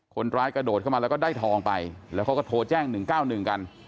คนร้ายกระโดดเข้ามาแล้วก็ได้ทองไปแล้วเขาก็โทรแจ้ง๑๙๑กัน